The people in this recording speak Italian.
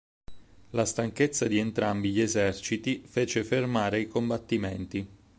La stanchezza di entrambi gli eserciti fece fermare i combattimenti.